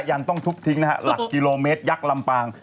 ยันต้องทุบทิ้งนะฮะหลักกิโลเมตรยักษ์ลำปาง